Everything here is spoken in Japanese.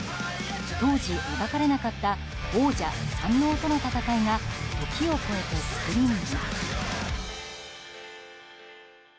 当時、描かれなかった王者・山王との戦いが時を越えてスクリーンに。